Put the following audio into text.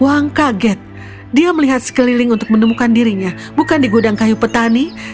wang kaget dia melihat sekeliling untuk menemukan dirinya bukan di gudang kayu petani